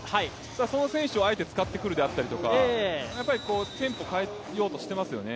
その選手をあえて使ってくるであったりとかテンポを変えようとしていますよね。